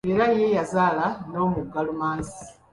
Era ye yazaala n'omugga Lumansi.